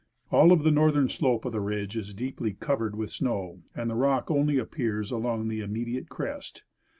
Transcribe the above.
All of the northern slope of the ridge is deeply covered with snow, and the rock only appears along the immediate crest.